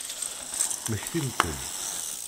Mmektimt-d!